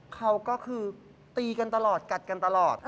เขาก็คือตีกันตลอดกัดกันตลอด